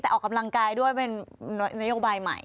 แต่ออกกำลังกายด้วยเป็นนโยบายใหม่